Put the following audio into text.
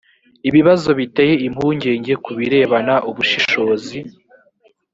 ibibazo biteye impungenge ku birebana ubushishozi